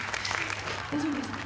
大丈夫ですか？